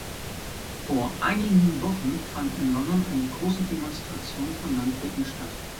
Vor einigen Wochen fand in London eine große Demonstration von Landwirten statt.